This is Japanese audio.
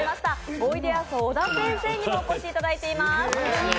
おいでやす小田先生にもお越しいただいています。